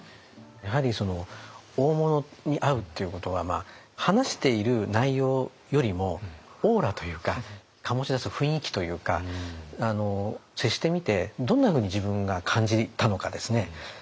やはり大物に会うっていうことは話している内容よりもオーラというか醸し出す雰囲気というか接してみてどんなふうに自分が感じたのかですね